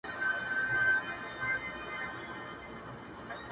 دا چا په څو ځلې د عشق په اور مينځلي شراب”